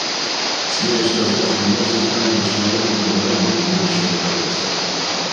Смею сказать, меня все знают за человека либерального и любящего прогресс.